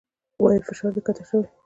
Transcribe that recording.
وايي فشار دې کښته شوى.